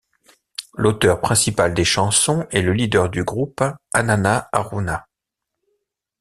L'auteur principal des chansons est le leader du groupe, Anana Harouna.